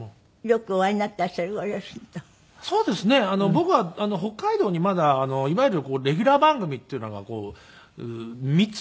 僕は北海道にまだいわゆるレギュラー番組っていうのが３つ。